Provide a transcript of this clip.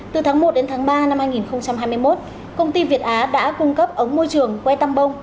từ tháng một đến tháng ba năm hai nghìn hai mươi một công ty việt á đã cung cấp ống môi trường que tam bông